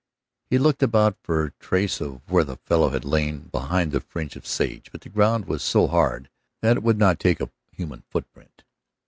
He looked about for trace of where the fellow had lain behind the fringe of sage, but the ground was so hard that it would not take a human footprint.